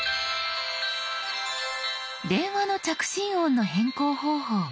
電話の着信音の変更方法。